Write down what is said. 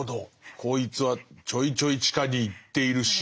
こいつはちょいちょい地下に行っているし。